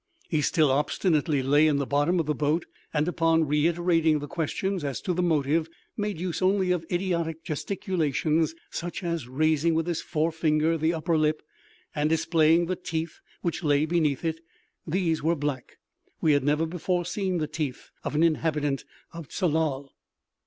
He still obstinately lay in the bottom of the boat; and, upon reiterating the questions as to the motive, made use only of idiotic gesticulations, such as raising with his forefinger the upper lip, and displaying the teeth which lay beneath it. These were black. We had never before seen the teeth of an inhabitant of Tsalal.